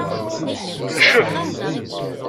Ncef.